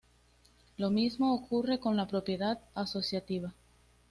Lo mismo ocurre con la propiedad asociativa.